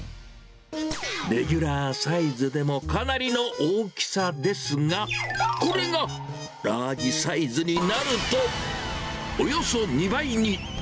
レギュラーサイズでもかなりの大きさですが、これがラージサイズになると、およそ２倍に。